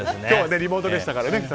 今日はリモートでしたからね。